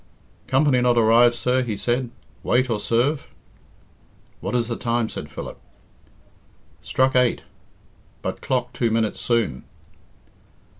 "Company not arrived, sir," he said. "Wait or serve?" "What is the time?" said Philip. "Struck eight; but clock two minutes soon."